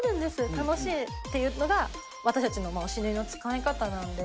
楽しいっていうところが私たちの推しぬいの使い方なんで。